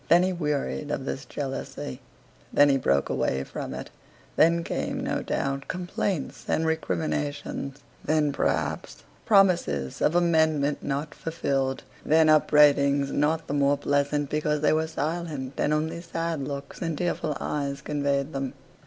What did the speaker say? Then he wearied of this jealousy; then he broke away from it; then came, no doubt, complaints and recriminations; then, perhaps, promises of amendment not fulfilled; then upbraidings not the more pleasant because they were silent, and only sad looks and tearful eyes conveyed them.